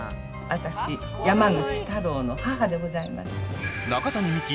私山口太郎の母でございます中谷美紀